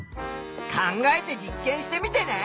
考えて実験してみてね。